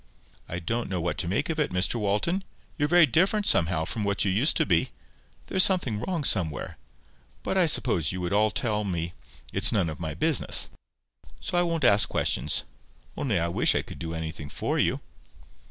"I don't know what to make of it, Mr Walton. You're very different somehow from what you used to be. There's something wrong somewhere. But I suppose you would all tell me it's none of my business. So I won't ask questions. Only I wish I could do anything for you."